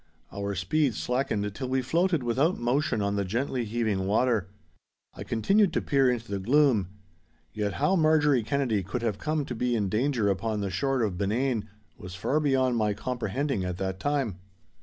Our speed slackened till we floated without motion on the gently heaving water. I continued to peer into the gloom. Yet how Marjorie Kennedy could have come to be in danger upon the shore of Benane was far beyond my comprehending at that time.